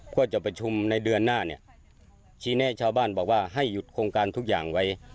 เพื่อจะประชุมในเดือนหน้าเนี่ยชี้แนะชาวบ้านบอกว่าให้หยุดโครงการทุกอย่างไว้